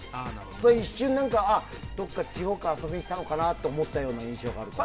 一瞬、どこか地方から遊びに来たのかなと思ったような印象があるから。